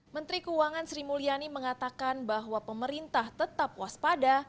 menteri keuangan sri mulyani mengatakan bahwa pemerintah tetap waspada